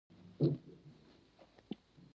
هلک ښه نیت لري.